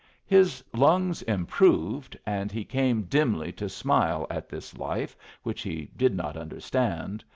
His lungs improved, and he came dimly to smile at this life which he did not understand.